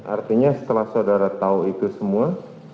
artinya setelah saudara tahu itu semua